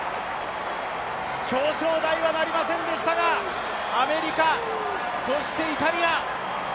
表彰台はなりませんでしたが、アメリカ、そしてイタリア。